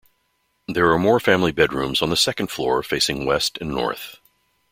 There are more family bedrooms on the second floor facing west and north.